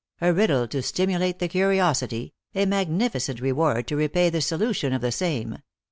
"A riddle to stimulate the curiosity; a magnificent reward to repay the solution of the same.